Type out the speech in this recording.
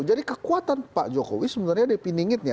jadi kekuatan pak jokowi sebenarnya di piningitnya